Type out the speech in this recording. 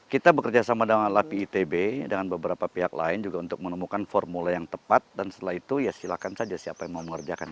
kita bekerja sama dengan lapi itb dengan beberapa pihak lain juga untuk menemukan formula yang tepat dan setelah itu ya silakan saja siapa yang mau mengerjakan